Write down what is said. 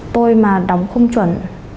tôi mà đóng không chuẩn